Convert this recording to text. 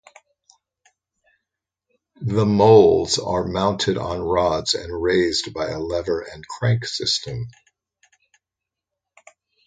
The moles are mounted on rods and raised by a lever and crank system.